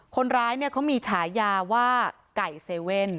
คนร้ายเขามีฉายาว่าไก่เซเว่น